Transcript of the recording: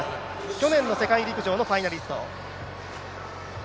去年の世界陸上のファイナリスト。